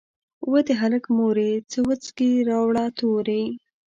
"وه د هلک مورې ته وڅکي راوړه توري".